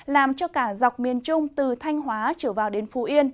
làm cho cả dọc miền trung từ thanh hóa trở vào đến phú yên